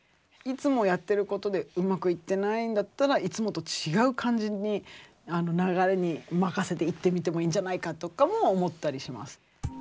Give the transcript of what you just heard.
いつもやってることでうまくいってないんだったらいつもと違う感じに流れに任せていってみてもいいんじゃないかとかも思ったりします。